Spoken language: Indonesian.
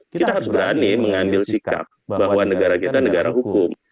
kita harus berani mengambil sikap bahwa negara kita negara hukum